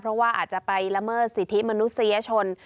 เพราะว่าอาจจะไปละเมิดสิทธิมนุษยชน